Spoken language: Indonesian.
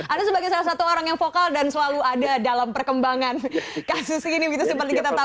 anda sebagai salah satu orang yang vokal dan selalu ada dalam perkembangan kasus ini begitu seperti kita tahu